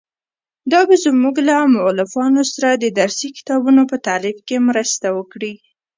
دا به زموږ له مؤلفانو سره د درسي کتابونو په تالیف کې مرسته وکړي.